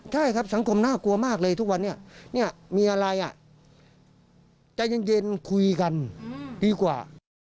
ใช่ครับสังคมน่ากลัวมากเลยทุกวันนี้มีอะไรใจเย็นคุยกันดีกว่า